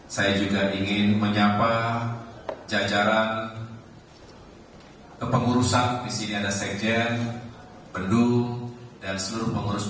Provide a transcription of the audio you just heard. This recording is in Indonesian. saya juga ingin menyapa jajaran kepengurusan di sini ada sekjen bedu dan seluruh pengurus pusat